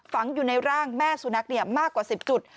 ฝังอยู่ในร่างแม่สุนัขมากกว่า๑๐จุด